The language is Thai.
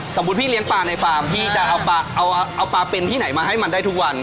พี่เลี้ยงปลาในฟาร์มพี่จะเอาปลาเป็นที่ไหนมาให้มันได้ทุกวัน